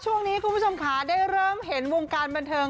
ช่วงนี้คุณผู้ชมขาได้เริ่มเห็นวงการบรรเทิง